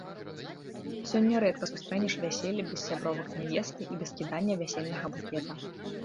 Сёння рэдка сустрэнеш вяселле без сябровак нявесты і без кідання вясельнага букета.